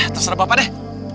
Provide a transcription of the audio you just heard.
terserah bapak deh